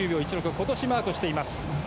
今年マークしています。